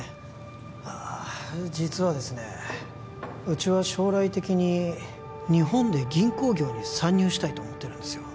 ああ実はですねうちは将来的に日本で銀行業に参入したいと思ってるんですよ